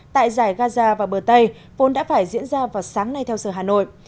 tại giải gaza và bờ tây vốn đã phải diễn ra vào sáng nay theo giờ hà nội